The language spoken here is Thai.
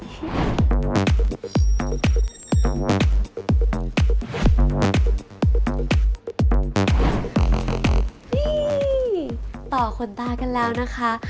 นี่ต่อขนตากันแล้วนะคะ